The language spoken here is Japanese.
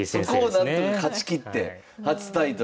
そこをなんとか勝ちきって初タイトル。